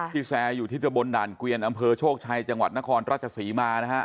แซร์อยู่ที่ตะบนด่านเกวียนอำเภอโชคชัยจังหวัดนครราชศรีมานะฮะ